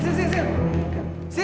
tempat ngapain ini